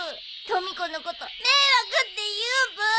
とみ子のこと迷惑って言うブー！